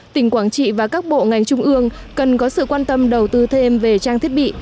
tỉnh quảng trị và các bộ ngành trung ương cần có sự quan tâm đầu tư thêm về trang thiết bị